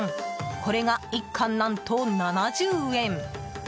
これが、１貫何と７０円。